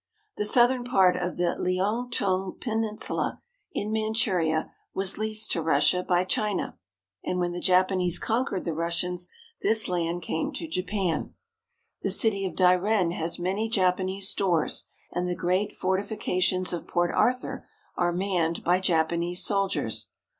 The southern part of the Liaotung (le ou toong') Peninsula in Manchuria was leased to Russia by China, and when the Japanese conquered the Russians, this land came to Japan. The city of Dairen has many Japanese stores, and the great fortifications of Port Arthur are manned by Japanese soldiers.